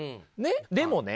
でもね